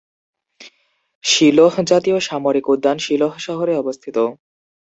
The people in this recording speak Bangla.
শিলোহ জাতীয় সামরিক উদ্যান শিলোহ শহরে অবস্থিত।